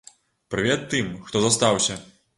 Прывет тым, хто застаўся!